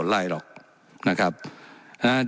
และยังเป็นประธานกรรมการอีก